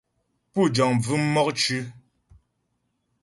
Pú jəŋ bvʉ̂m mɔkcʉ̌.